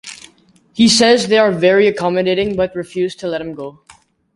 He says they are very accommodating, but refuse to let him go.